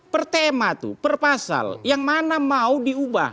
per tema tuh per pasal yang mana mau diubah